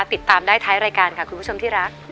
ติดตามได้ท้ายรายการค่ะคุณผู้ชมที่รัก